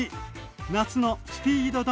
「夏のスピード丼」